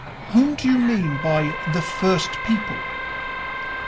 "Whom do you mean by the first people?"